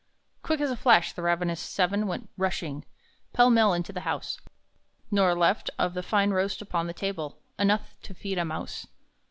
Quick as a flash the ravenous seven went rushing Pell mell into the house, Nor left, of the fine roast upon the table, Enough to feed a mouse.